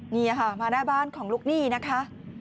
นี่ค่ะมาหน้าบ้านของลูกหนี้นะคะ